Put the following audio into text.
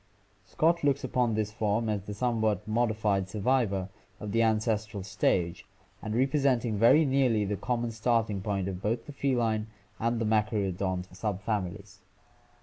Scott looks upon this form as the somewhat mod ified survivor of the ancestral stage, and representing very nearly the common starting point of both the feline and machaerodont subfamilies.